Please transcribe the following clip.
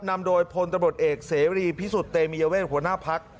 นำโดยพลตำรวจเอกเสรีพิสุทธิ์เตมียเวทหัวหน้าพัก